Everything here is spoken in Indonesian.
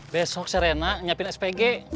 besok sirena nyiapin spg